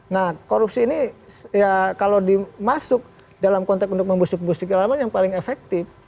nah korupsi ini ya kalau dimasuk dalam konteks untuk membusuk busuk yang lama yang paling efektif